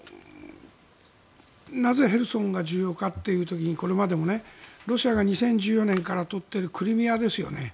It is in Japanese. なぜヘルソンが重要かという時にこれまでもロシアが２０１４年から取っているクリミアですよね。